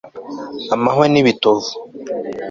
Amahwa nibitovu